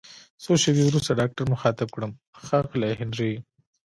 څو شیبې وروسته ډاکټر مخاطب کړم: ښاغلی هنري!